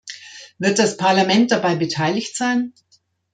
Wird das Parlament dabei beteiligt sein?